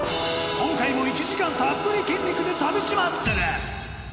今回も１時間たっぷり筋肉で旅しマッスル！